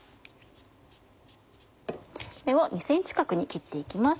これを２ｃｍ角に切って行きます。